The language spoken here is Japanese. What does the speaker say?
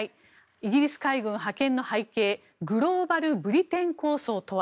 イギリス海軍派遣の背景グローバル・ブリテン構想とは。